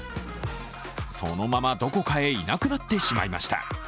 そのままどこかへいなくなってしまいました。